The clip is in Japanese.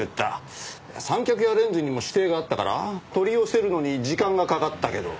三脚やレンズにも指定があったから取り寄せるのに時間がかかったけど。